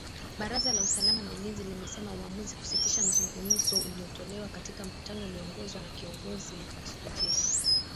Baraza la usalama na ulinzi limesema uamuzi kusitisha mzungumzo ulitolewa katika mkutano ulioongozwa na kiongozi wa kijeshi.